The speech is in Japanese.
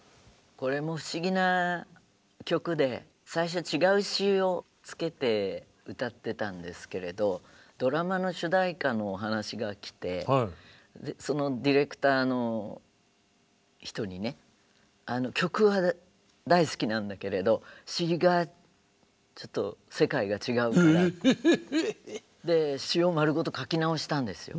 これも不思議な曲で最初は違う詞をつけて歌ってたんですけれどドラマの主題歌のお話が来てそのディレクターの人にね「曲は大好きなんだけれど詞がちょっと世界が違うから」で詞を丸ごと書き直したんですよ。